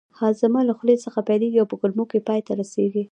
هاضمه له خولې څخه پیلیږي او په کولمو کې پای ته رسیږي